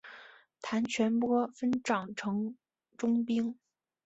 谭全播分掌城中兵。